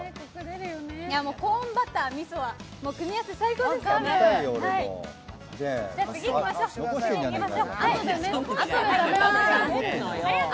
コーンバター、みその組み合わせは最高ですね。